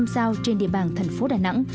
sau trên địa bàn thành phố đà nẵng